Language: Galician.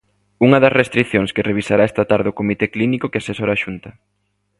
Unha das restricións que revisará esta tarde o comité clínico que asesora a Xunta.